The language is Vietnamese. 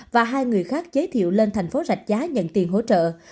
và hai người khác giới thiệu lên thành phố